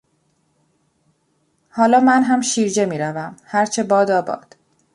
حالا منهم شیرجه میروم - هرچه بادا باد!